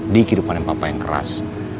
di kehidupan yang bapak yang keras